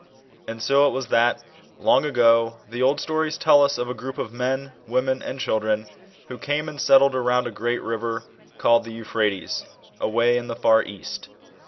And so it was that, long ago, the old stories tell us of a group of men, women, and* children, who came and set tied around a great river, called the Euphrates, away in the far East.